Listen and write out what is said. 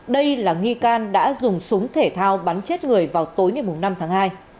đây là nghi can đã dùng súng thể thao bắn chết người vào tối ngày năm tháng hai